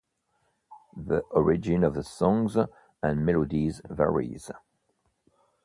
The origin of the songs and melodies varies.